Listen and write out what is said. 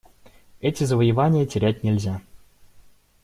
Эти завоевания терять нельзя.